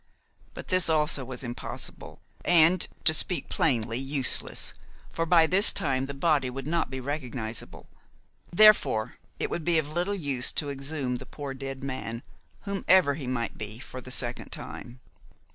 But this also was impossible, and to speak plainly useless, for by this time the body would not be recognisable; therefore, it would be of little use to exhume the poor dead man, whomsoever he might be, for the second time.